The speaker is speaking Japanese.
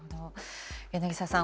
柳澤さん